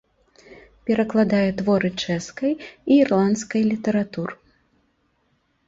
Перакладае творы чэшскай і ірландскай літаратур.